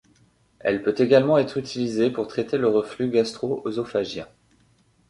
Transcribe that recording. Elle peut également être utilisée pour traiter le reflux gastro-œsophagien.